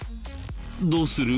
どうする？